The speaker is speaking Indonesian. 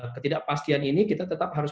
ketidakpastian ini kita tetap harus